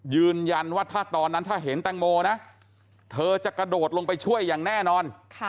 ยืนยันว่าถ้าตอนนั้นถ้าเห็นแตงโมนะเธอจะกระโดดลงไปช่วยอย่างแน่นอน